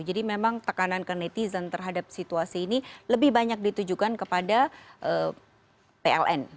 jadi memang tekanan ke netizen terhadap situasi ini lebih banyak ditujukan kepada pln